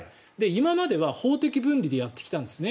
今までは法的分離でやってきたんですね。